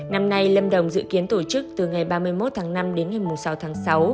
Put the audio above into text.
năm nay lâm đồng dự kiến tổ chức từ ngày ba mươi một tháng năm đến ngày sáu tháng sáu